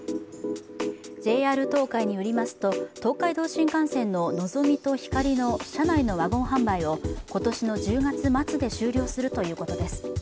ＪＲ東海によりますと、東海道新幹線ののぞみとひかりの車内のワゴン販売を今年の１０月末で終了するということです。